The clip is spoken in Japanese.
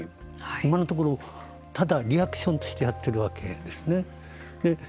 今のところただリアクションとしてやっているわけですね。